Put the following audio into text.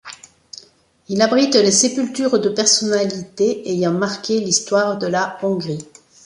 Il abrite les sépultures de personnalités ayant marqué l'histoire de la Hongrie.